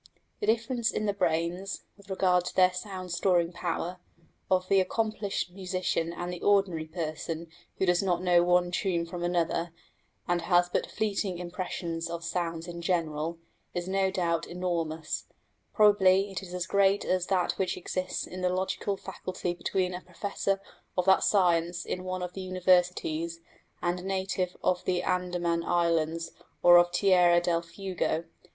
The difference in the brains, with regard to their sound storing power, of the accomplished musician and the ordinary person who does not know one tune from another and has but fleeting impressions of sounds in general, is no doubt enormous; probably it is as great as that which exists in the logical faculty between a professor of that science in one of the Universities and a native of the Andaman Islands or of Tierra del Fuego.